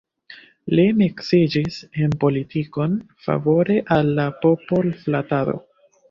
Li miksiĝis en politikon, favore al la popol-flatado.